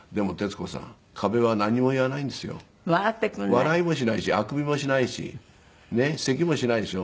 笑いもしないしあくびもしないしねっせきもしないでしょ。